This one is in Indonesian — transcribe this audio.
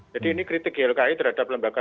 jadi ini kritik ylki terhadap lembaga